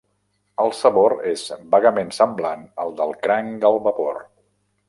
El sabor és vagament semblant al del cranc al vapor.